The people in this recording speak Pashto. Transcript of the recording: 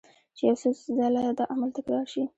چې يو څو ځله دا عمل تکرار شي